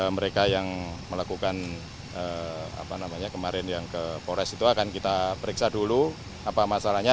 mereka yang melakukan apa namanya kemarin yang ke polres itu akan kita periksa dulu apa masalahnya